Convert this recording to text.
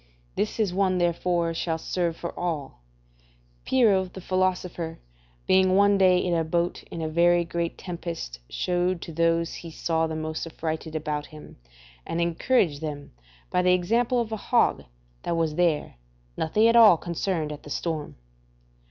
This one therefore shall serve for all: Pyrrho the philosopher being one day in a boat in a very great tempest, shewed to those he saw the most affrighted about him, and encouraged them, by the example of a hog that was there, nothing at all concerned at the storm.